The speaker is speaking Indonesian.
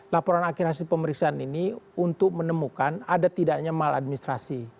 laporan akhir hasil pemeriksaan ini untuk menemukan ada tidaknya maladministrasi